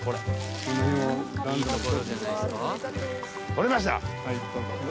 取れました。